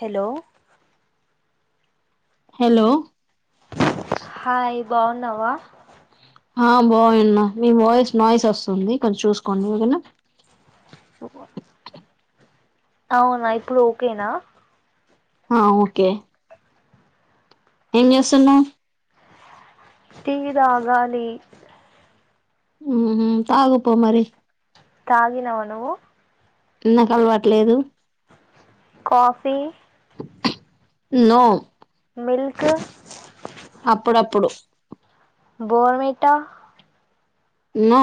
Hello hello బాగునవా ఆ బాగున్న మీ వాయిస్ నాయిస్ వస్తుంది కొంచెం చూసుకోండి ఎకనా అవునా ఇప్పుడు ఓకేనా హ ఓకే ఎన్స్తున్నా టీ తాగాలి ఉ తాగుపో మరి తాగిినవ ను్వు నాకు అలవట్లేదు కాఫీ న మల్క్ అప్పుడప్పుడు బోర్మేటా న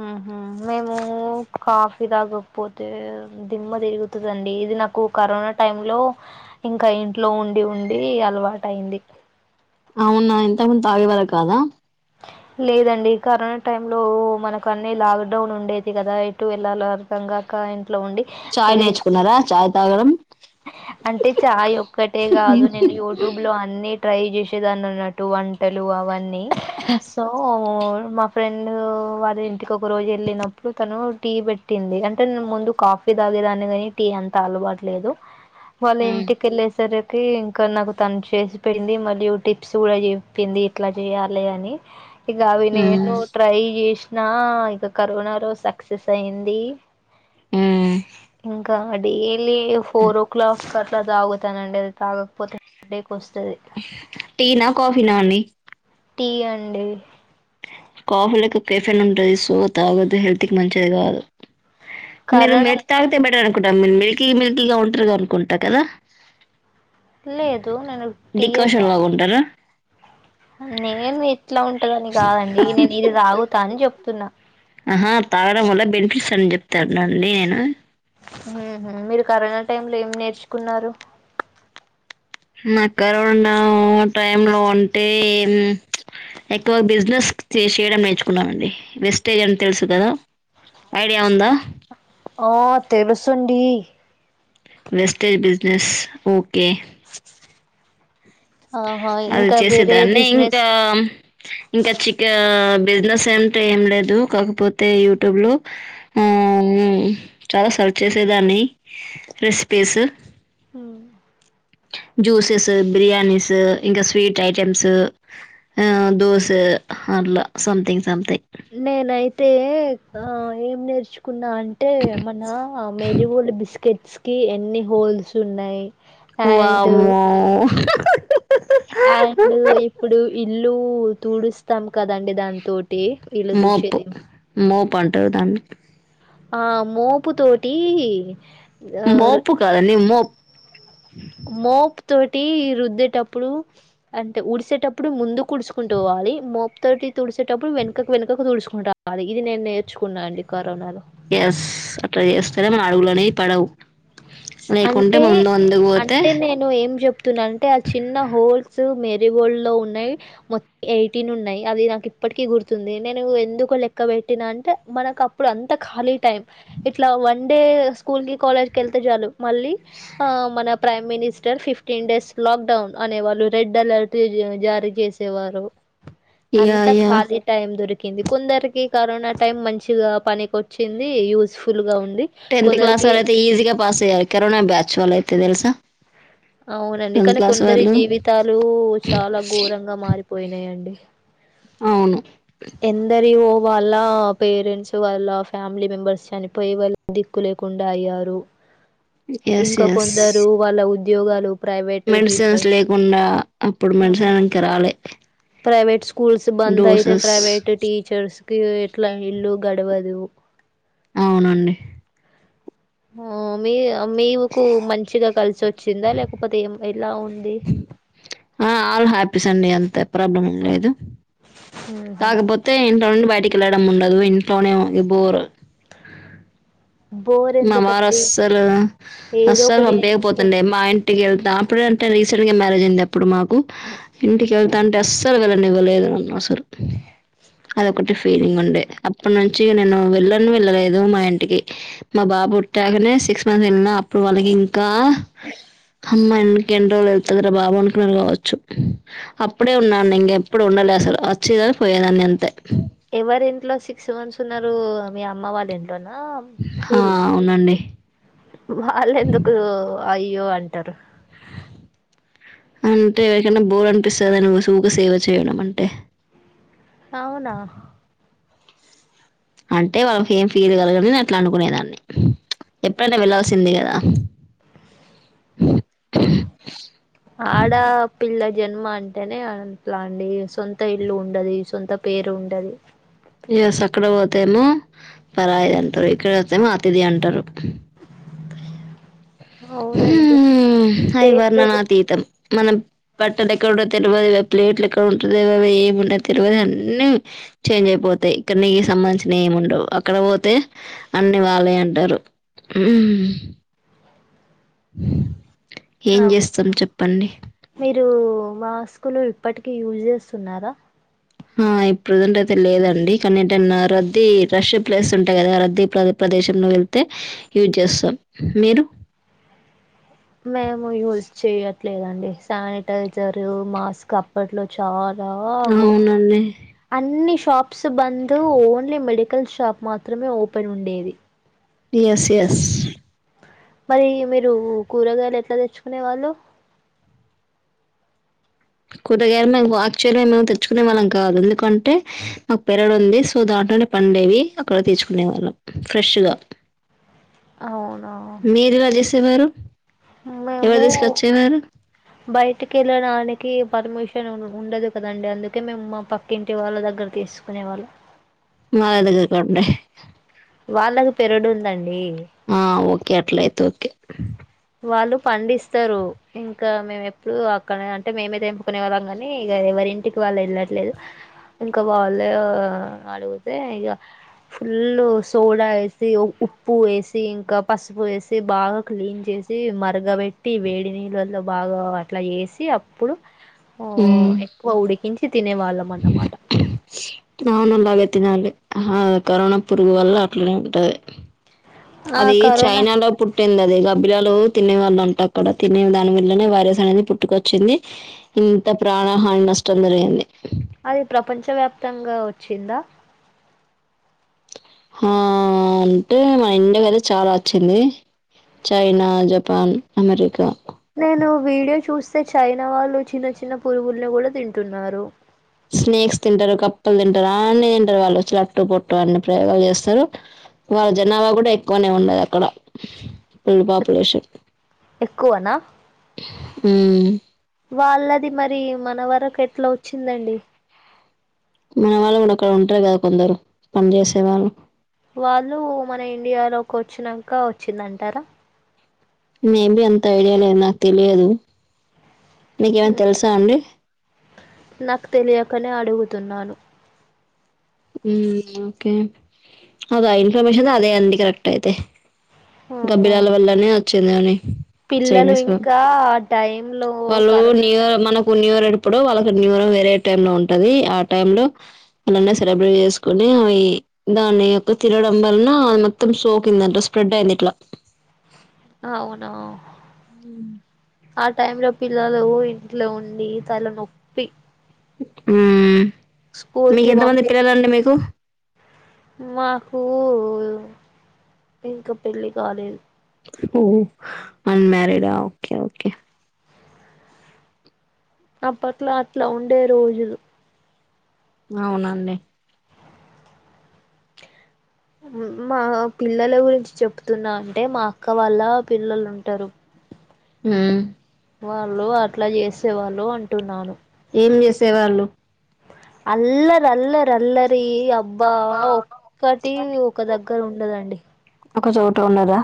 ఉహ మేము కాఫీ తాగకపోతే దిమ్మ తిరుగుతుందండి ఇది నాకు కరోనా టైమ్ లో ఇంకా ఇంట్లో ఉండి ఉండి అలవాటు అయింది అవునా ఇంతకుముందు తాగేవాళ్ళ కాదా లేదండి కరోనా టైంలో మనకు అన్నీ లాక్డౌన్ ఉండేది కదా ఎటు వెళ్ళాల అర్థంగాక చాయ్ నేర్చుకున్నారా చాయ్ తాగడం అంటే చాయ్ ఒక్కటే కాదు నేను యూట్యూబ్ లో అన్ని ట్రై చేసే దాన్ని అన్నట్టు వంటలు అవన్న సో మా ఫ్రెండ్ వారి ఇంటికి ఒక రోజు వెళ్ళినప్పుడు తను టీ పెట్టింది అంటేే ముందు కాఫీ తాగేదాన్ని కాగాని టీ అంత అలవాటు లేదు వాళ ఉమ్ ఇంటికి లే సరే తే ఇంకా నాకు తను చేసిపోయింది మళ్ళయు టిప్స్ కూడా చెప్పింది ఇట్లా చేయాలి అని ఇగ అవి ఉమ్ నేను ట్రై చేసి నా ఇక కరోనా రోజు సక్సెస్ అయింది ఇంక్ తాడి ఎల్లి ఫోర్ ఓ క్లాక్ ఆ తా తాగుతానండి తాగకపోతే హెడేక్ వస్తది టీనా కాఫీ నా అండి టీ అండి కాఫీ లకు కెఫెన్ ఉంటది సో తాగుతే హెల్త్ కి మంచిది కాదు మెరు కరోనా మెట్ తాగతే బెట్టర్ మిల్కి మిల్కిగా ఉంటారుగా అనుకుంటా కదా లేదు నేను టీ యే డికాషన్ తాగు లాగా ఉంటారా నే మీ ఇట్లా ఉంటదని కాదండి నేను ఇది తాగుతా అని చెప్ తున్నా అహా తాగడం వల్ల బెనిఫిట్స్ అని చెప్ తారు నను నేను మీరు కరోనా టైమ్ లో ఏం నేర్చుకున్నారు మ కరోనా టైమ్ లో అంటే ఉమ్ ఎక్కువ బిజినెస్ చేసేయడం నేర్చుకున్నామండి వెస్టేజ్ అని తెలుసు కదా ఐడియా ఉందా ఆ తెలుసుండి వెస్టేజ్ బిజినెస్ ఓకే ఆహా అది ఇంకా వేరే చేసేదాన్ని ఇంకా బిజినెస్ ఇంకా చికా బిజినెస్ అంటే ఏం లేదు కాకపోతే యూట్యూబ్లో ఉ ఉమ్ చాలా సర్చ్ చేసేదాన్ని రెసిపీస్ హు జ్యూసెస్ బిర్యానీస్ ఇంకా స్వీట్ ఐటెమ్స్ ఆ దోస అట్లా సంథింగ్ సంథింగ్ నేనయితే ఆ ఏం నేర్చు కున్నా అంటే మన మెరీ గోల్డ్ బిస్కెట్ స్ కి ఎన్ని హోల్స్ ఉన్నాయి అండ్ వామ్మో అండ్ ఇప్పుడు ఇల్ లు తూడుస్తాం కదండి దానితో మోప్ మో పంటవు దాం ఆ మోపు తోటి ఆ మోపు కాాలాని మోపు మోపు తోటి రుద్దేటప్పుడు అంటే ఉఊడిసేటప్పుడు ముందు కుడుచుకుంటూ పోవాలి మోపు తోటి తుసేటప్పుడు వెనకకు వెనకకు తుసు ాలి ఇది నేను నేర్చుకున్నా అండి కరోనాలో ఎస్ అట్లా చేస్తేనే మన అడుగులోనే పడవు లేకుంటే అంటే ముందు అందుకు పోతే తున్నా అంటే ఆ చిన్న హోల్స్ మేరీగోల్డ్ లో ఉన్నాయి మొత్తం ఎయిటీన్ ఉన్నాయి అది నాకు ఇప్పటిక గుర్తుంది నేను ఎందుకు లెక్క పెెట్టినా అంటే మనకు అప్పుడు అంత ఖాళీ టైం ఇట్లా వన్ డే స్కూల్ కి కాలేజ్ క వెళ్తే చాలు మళ్ళీ ఆ మన ప్ర మినిస్టర్ ఫిఫ్టీన్ డేస్ లాక్డౌన్ అనే వాళ్ళు రెడ్ అలర్ట్ జారీ చేసేవారు ఇక అంత ఇక ఖాళీ టైమ్ దొరి కొందరికి కరోనా టైం మంచిగా పనిక వచ్చింది యూజఫుల్ గా ఉ టెంతత్ క్లాస్ వర అతే ఈజీగా పాస్ స కరోనా బ్యాచ్ వాల్ అయితేది తెల్సా అవునండి కానీ కొందరి జీవితాలు చాలా ఘోరంగా మారిపోయినాయంండి అవును. ఎందరియో వాళ్ళ పేరెంట్స్ వాళ్ళ ఫ్యామిలీ మెంబర్స్ చనిపోయి వాళ్ళ దిక్కు లేకుండా అయ్యారు. ఎస్ ఇంకా ఎస్ కొందరు వాళ్ళ ఊ.. ఉద్యోగాలు. ప్రైవేట్ మెడిసిన్స్ టీచర్స్ లేకుండా, అప్పుడు మెడిసిన్ ఇంకా రాలే. ప్రైవే సూక్. స్కూల్స్ బంద ఆయితే? డోసెస్ ప్రైవేట్ టీచర్స్.. ఎట్లా ఇల్లు గడవదు. అవునండి. ! ఓమీ. మీకు మంచిగా కలిసి వచ్చిందా లేకపోతే ఏం ఎలా ఉంది. ఎస్ అండి అంత ప్రాబ్లం లేదు. మ్మ్. తగపోతేం. ఇంట్లో నుండి బయటికి వెళ్లడం ఉండదు ఇంట్లోనే బోర్. బోర్ మా వారు ఎందుకండి అస్సలు ఏదో అస్సలు ఒకటి పంపించకపోతుండే, నేర్చుకోవచ్చు మా ఇంటికి వెళ్తాం అప్పుడే అంటే రీసెంట్ గా మ్యారేజ్ అయింది. ఇప్పుడు మాకు ఇంటికి వెళ్తా అంటే అస్సలు వెళ్ళనివ్వలేదు అన్నా అసలు. అది ఒకటి ఫేర్. ంగ్ ఉండే అప్పటి నుంచి నేను వెళ్ళను వెళ్ళలేదు మా ఇంటికి. మా బాబు పుట్టాకనే సిక్స్ మంత్ వెళ్ళినా అప్పుడు వాళ్ళకి ఇంకా, అమ్మా ఇంకేన్న రోజులు ఎళ్తది రా బాబు అనుకున్నారు గావచ్చు అప్పుడే ఉన్నాన్ని ఇంగ ఎప్పుడు ఉండలే అసలు వచ్చిదని పోయేదాన్ని అంతే. ఎవరి ఇంట్లో సిక్స్ మంత్స్ ఉన్నారు మీ అమ్మ వాళ్ళ ఇ డొనా అవునండి వీల్లా అయ్యో అంటరు అంటే ఎవరికనా బోర్ అనిపిస్తది నువ్వు సూక సేవ చేయడం అంటే. అవునా! అంటే వాళ్ళకి ఏం ఫీల్ కలగదు నేను అట్లా అనుకునేదాన్ని. ఎప్పుడైనా వెల్లాల్సింది కదా హమ్ [unintelligible] ఆడా పిల్ల జన్మ అంటేనే అంట్లా అండి సొంత ఇల్లు ఉండది సొంత పేరు ఉండది. ఎస్ అక్కడ పోతేమో పరాయిది అంటారు, ఇక్కడ వొతేమో అతిథి అంటారు. అవునండి హ్మ్మ్ అవి పేర్లు కూడా వర్ననాతీతం మన పట్టద ఎక్కడ. తెలువది గా ప్లేట్లు ఎక్కడ ఉంటది అ ఏముండ తెలువది అన్ని చేంజ్ అయిపోతాయి. ఇక్క నీ సంబంధించిన ఏమి ఉండవు అక్కడ పోతే అన్ని వాలయే అంటారు హ్మ్ అ ఏం జేస్తాం చెప్పండి. రు మాస్కులు ఇప్పటికీ యూజ్ జేస్తున్నారా ఆ ఇప్పుడు ప్రజెంట్ అయితే లేదండి కానీ ఏటన్నా రద్దీ రష్ ప్లేస్ ఉంటాయి కదా రద్దీ ప్రదేశంలో వెళ్తే యూజ్ జేస్తాం మీరు మేము యూజ్ చేయ ట్లేదండి శానిటైజరు మాస్క్ అప్పట్లో చా [unintelligible] అవునండి. అన్ని షాప్ ప్స్ బంద్ ఓన్లీ మెడికల్ షాప్ మాత్రమే ఓపెన్ ఉండేది ఎస్ ఎస్ మరి మీరు కూరగాయలు ఎట్లా తెచ్చుకునేవాళ్ళు కూరగాయలు ఆ [unintelligible] తెచ్చుకునే వాళ్ళం కాదు ఎందుకంటే మాకు పెరడు ఉంది సో దాంట్లోనే పండేవి అక్కడ తెచ్చుకునే వాళ్ళం ఫ్రెష్ గా అవునా మీరెలా జేసేవారు మేము బయటికి వెళ్ళడాని కి పర్మిషన్ ఉండదు కదండి అందుకే మేము మా పక్కింటి వాళ్ళ దగ్గర తీసుకునే వాళ్ళం మాదగ్గరకి రా ఉండాయ్ వాళ్ళకు పెరడుందండీ ఆ ఓ కె అట్లయితే ఓకే వాళ్ళు పండిస్తారు ఇంకా మేము ఎప్పుడు అక్కడ అంటే మేమే తెంపుకునే వాళ్ళం కానీ ఇగ ఎవరింటికి ఇవాళ వెళ్ళట్లేదు ఇంకా వాళ్ళు అడిగుతే ఇక ఫుల్ సోడా వేసి ఉప్పు వేసి ఇంకా పసుపు వేసి బాగా క్లీన్ చేసి మరగబెట్టి వేడి నీళ్ళల్లో బాగా అట్లా చేసి అప్పుడు ఓ హ్మ్. ఎక్కువ ఉడికించి తినే వాళ్ళం అన్నమాట [unintelligible] హా కరోనా పురుగు వల్ల అట్లనే ఉంటది ఆ అది కరోనా చైనా లో పుట్టింది అదే గబ్బిలాలు తినే వాళ్ళుంట అక్కడ తినిన దాని వల్లనే వైరస్ అనేది పుట్టుకొచ్చింది ఇంత ప్రాణహాని నష్టం జరిగింది అది ప్రపంచవ్యాప్తంగా వచ్చిందా హా అంటే మన ఇండియాకి ఐతే చాలా వచ్చింది చైనా జపాన్ అమెరికా నేను వీడియో చూస్తే చైనా వాళ్ళు చిన్న చిన్న పురుగుల్ని కూడా తింటున్నారు స్నేక్స్ తింటారు కప్పలు తింటారు అన్ని తింటారు వాళ్ళు చట్టు పొట్టు అన్ని ప్రయోగాలు చేస్తారు వాళ్ళ జనాభా కూడా ఎక్కువనే ఉంన్నది అక్కడ ఫుల్ పాపులేషన్ ఎక్కువనా ఉమ్ వాళ్ళది మరి మన వరకు ఎట్లా వచ్చిందండి మన వాళ్ళు కూడా అక్కడ ఉంటారు కదా కొందరు పని చేసే వాళ్ళు వాళ్ళు మన ఇండియాలోకి వచ్చినంక వచ్చిందంటారా మేబీ అంత ఐడియా లేదు నాకు తెలియదు నీకేమన్నా ఉమ్, తెలుసా అండి నాకు తెలియకనే అడుగుతున్నాను ఉమ్ ఓకే అదా ఇన్ఫర్మేషన్ అదే అండి కరెక్ట్ అయితే ఆహా గబ్బిలాల వల్లనే చిన్నని పిల్లలు ఇంకా ఆ టై లో కరోనా టాయి ఇప్పుడు వాళ్ళకి న్యూరం వేరే టై లో ఉంటది ఆ టై లో సరబేట్ చేసుకుని అవి దాని యొక్క తినడం వలన అ మొత్తం సోకింది అంట స్ప్రెడ్ అయింది ఇట్లా అవునా ఉ ఆ టైమ్ లో పిల్లలు ఇంట్లో ఉండి తల నొప్పి ఊ స్కూల్ మీకు కి ఎంత మంది పంపి పిల్లలండి మీకు మాకు ఇంకా పెళ్లి కాలేదు ఓ అన్మరిడ్ ఆ ఓకే ఓకే అప్పట్లో అట్లా ఉండే రోజులు అవునండి మా పిల్లల గురించి చెప్తున్నా అంటే మా అక్క వాళ్ళ పిల్లలు ఉంటారు ఉ వాళ్ళు అట్లా చేసేవాళ్ళు అంటున్నాను ఏం చేసే వాళ్ళు అల్లర్ అల్లర్ అలర్ త్రీ అబ్బా తప్ప ఒక్కటి ఒక దగ్గర ఉండదండి ఒక చోట్లో ఉన్నదా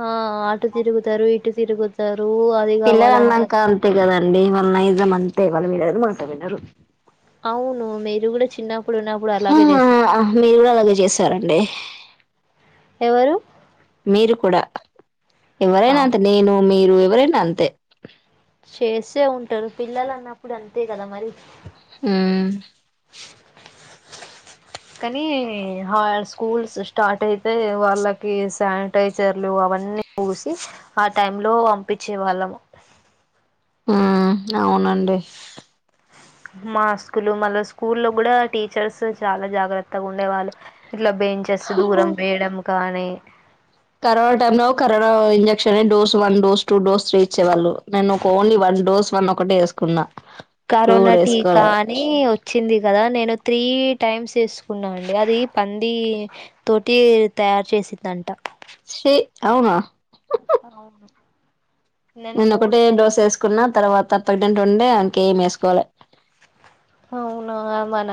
ఆ ఆట తిరుగుతారు ఇటు తిరుగుతా పిలర్ అల్న్నాంక అంతేకదా అంే ఇవాళ నైజం అంతే ఇ వాళ్ళ మీర మాట్లాడినారు అవును మ మీరు కూడా చిన్న ఆ మీరు కూడా అలాగే చేసారండి ఎవరు మీరు కూడా ఎవ్వరేనా అవు అంత నేను మీరు ఎవరైనా అంతే చేస్తే ఉంటారు పిల్లలు అన్నప్పుడు అంతే కదా మరి ఆ కానీ స్కూల్స్ స్టార్ట్ అయితే వాళ్ళకి శానిటైజర్లు అవన్నీ పూసి ఆ టై లో పంపించే వాళ్ళము ఉ అవునండి మాస్కులు మళ్ళ స్కూ లో కూడా టీచర్స్ చాలా జాగ్రత్తగా ఉండేవాళ్ళు ట్ల బేయించస్ దూరం వేయడం కాణే కరోనా టైం నువవు కరోనా ఇ dose one dose two dose three ఇచ్చేవాళ్ళు నేను ఒక ఓన్లీ వన్ డోస్ వన్ ఒకటి వేసుకున్నా టూ కరోనా కూడా టీకా వేసుకోలే అని వచ్చింది కదా నేను నే త్రీ టైమ్స్ వేసుకున్నా అండి అది పంది తోటి తయారు చేసిందంట శే అవునా అవు నేను ఒకటే డోస వేసుకున్నా తర్వాత ప ఉండే అక ఏం వేసుకోవాలి అవునా మన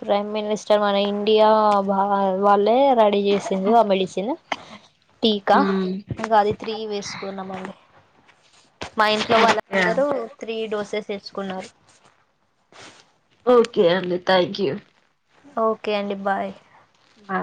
ప్రైమ్ మనిస్టర్ మన ఇండియా వాళ్ళు రెడీ చేసింది ఆ మెడిసిన్ టీకా ఇంకా అది తిరిగి వేసుకున్నామ అండి మా ఇంట్లో ఓకే వాళ్ళందరూ త్రీ డోసెస్ వస్తారు తీసుకున్నారు ఓకే అండి థ్యాంక్ యూ ఓకే అండి బాయ్ ఆ